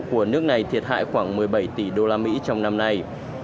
của nước này thiệt hại khoảng một mươi bảy tỷ đô la mỹ trong năm nay